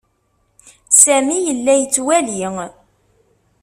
Sami yella yettwali.